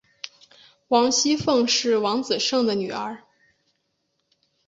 王熙凤是王子胜的女儿。